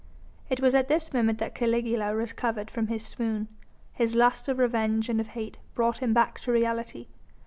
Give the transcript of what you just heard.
It was at this moment that Caligula recovered from his swoon. His lust of revenge and of hate brought him back to reality.